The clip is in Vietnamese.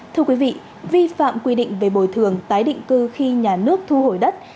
thưa quý vị vi phạm quy định về bồi thường tái định cư khi nhà nước thu hồi đất